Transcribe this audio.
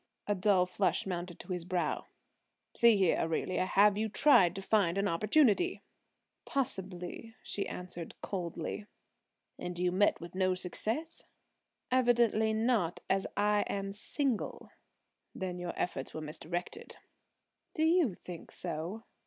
A dull flush mounted to his brow. "See here, Aurelia, have you tried to find an opportunity?" "Possibly," she answered coldly. "And you met with no success?" "Evidently not, as I am single." "Then your efforts were misdirected." "Do you think so?"